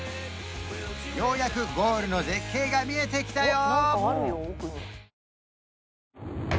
ようやくゴールの絶景が見えてきたよ